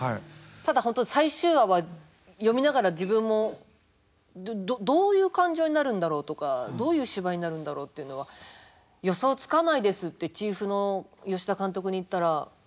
ただ本当最終話は読みながら自分もどういう感情になるんだろうとかどういう芝居になるんだろうっていうのは予想つかないですってチーフの吉田監督に言ったら僕もですっておっしゃってました。